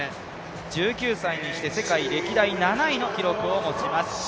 １９歳にして世界歴代７位の記録を持ちます。